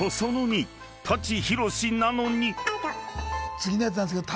次のやつなんですけど。